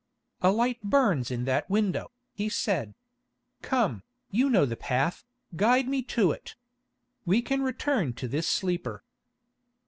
"A light burns in that window," he said. "Come, you know the path, guide me to it. We can return to this sleeper."